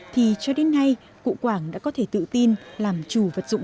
thì cho đến nay cụ quảng đã có thể tự tin làm chủ vật dụng